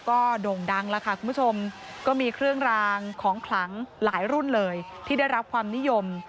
ก็โด่งดังแล้วค่ะคุณผู้ชมก็มีเครื่องรางของขลังหลายรุ่นเลยที่ได้รับความนิยม